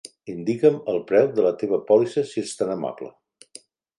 Indica'm el preu de la teva pòlissa, si ets tan amable.